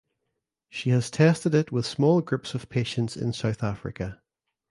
She has tested it with small groups of patients in South Africa.